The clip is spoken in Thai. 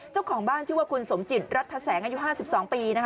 เจ้าของบ้านชื่อว่าคุณสมจิตรัฐแสงอายุ๕๒ปี